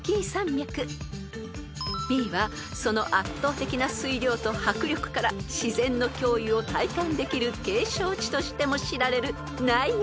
［Ｂはその圧倒的な水量と迫力から自然の驚異を体感できる景勝地としても知られる］